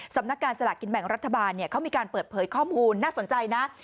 สำนักงานสลากกินแบ่งรัฐบาลเขามีการเปิดเผยข้อมูลน่าสนใจนะ